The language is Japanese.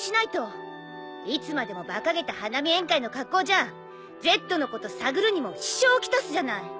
いつまでもバカげた花見宴会の格好じゃＺのこと探るにも支障を来すじゃない。